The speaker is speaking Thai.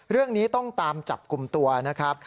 เรื่องนี้ต้องตามจับกลุ่มตัวนะครับ